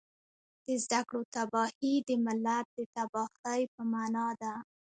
د زده کړو تباهي د ملت د تباهۍ په مانا ده